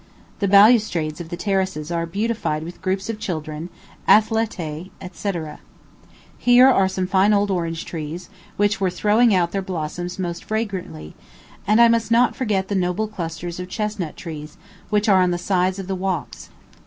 The balustrades of the terraces are beautified with groups of children, athletæ, &c. Here are some fine old orange trees, which were throwing out their blossoms most fragrantly; and I must not forget the noble clusters of chestnut trees which are on the sides of the walks.